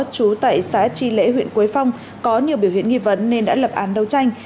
trú tại xã tri lễ huyện quế phong có nhiều biểu hiện nghi vấn nên đã lập án đấu tranh